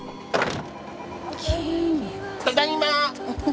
ただいま！